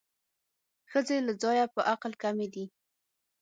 ښځې له ځایه په عقل کمې دي